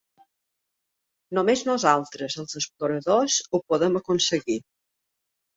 Només nosaltres els exploradors ho podem aconseguir.